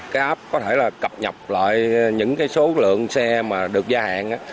cái app có thể là cập nhập lại những cái số lượng xe mà được gia hạn